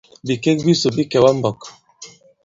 Bikek bisò bi kɛ̀wà i mbɔk.